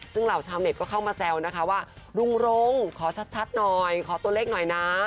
ซึ่งเหล่าชาวเน็ตก็เข้ามาแซวนะคะว่าลุงรงขอชัดหน่อยขอตัวเลขหน่อยนะ